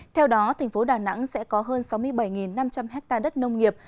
theo đó tp đà nẵng sẽ có hơn sáu mươi bảy năm trăm linh ha đất nông nghiệp